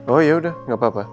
oh ya udah gak apa apa